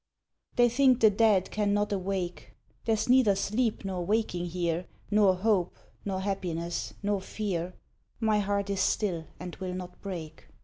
They think the dead cannot awake, — [There's neither sleep nor waking here, Nor hope, nor happiness, nor fear, — My heart is still and will not break.